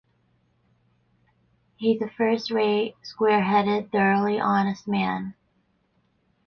He's a first rate, square headed, thoroughly honest man.